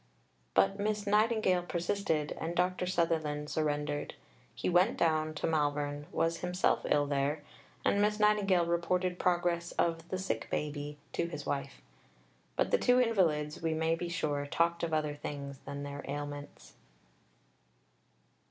But Miss Nightingale persisted, and Dr. Sutherland surrendered. He went down to Malvern, was himself ill there, and Miss Nightingale reported progress of "the sick baby" to his wife. But the two invalids, we may be sure, talked of other things than their ailments.